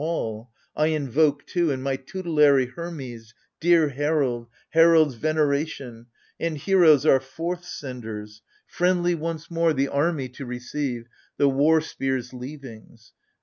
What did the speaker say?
All — I invoke too, and my tutelary Hermes, dear herald, heralds' veneration, — And Heroes our forthsenders, — friendly, once more The army to receive, the war spear's leavings